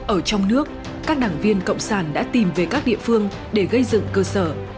ở trong nước các đảng viên cộng sản đã tìm về các địa phương để gây dựng cơ sở